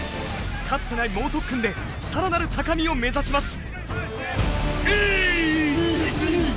かつてない猛特訓で更なる高みを目指します。